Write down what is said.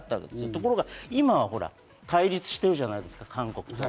ところが今は対立しているじゃないですか、韓国で。